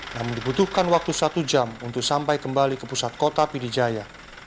namun dibutuhkan waktu satu jam untuk sampai kembali ke pusat kota pidijaya